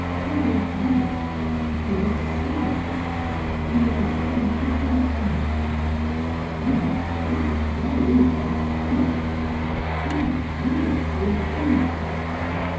We will wait, we will see; we will become better acquainted. You must think it well over too. Do not yield to an impulse.